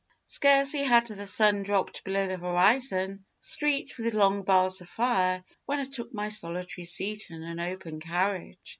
"Scarcely had the sun dropped below the horizon, streaked with long bars of fire, when I took my solitary seat in an open carriage.